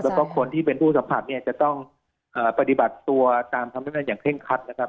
แล้วก็คนที่เป็นผู้สัมผัสเนี่ยจะต้องปฏิบัติตัวตามคำแนะนำอย่างเร่งคัดนะครับ